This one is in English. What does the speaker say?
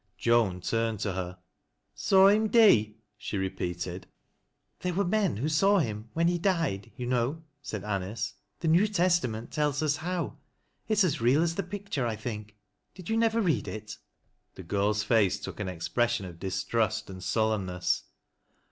Joan turned to her. '' Saw him dee !" she repeated. " There were men who saw him when he died von know," said Anice. " The New Testament tells us hoT It is as real as the picture, I think. Did you never read it?" The girl's face took an expression of distrust and sullen ness.